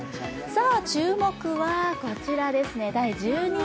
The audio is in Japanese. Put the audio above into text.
注目はこちらです、第１２位。